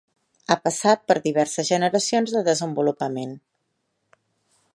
Ha passat per diverses generacions de desenvolupament.